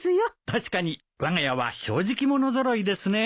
確かにわが家は正直者揃いですね。